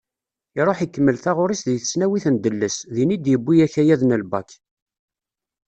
Iruḥ ikemmel taɣuri-s di tesnawit n Delles, din i d-yewwi akayad n lbak.